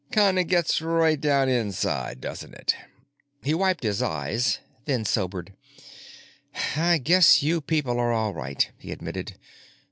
Kind of gets right down inside, doesn't it?" He wiped his eyes, then sobered. "I guess you people are all right," he admitted.